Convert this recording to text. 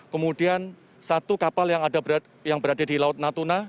kemudian satu kapal yang berada di laut natuna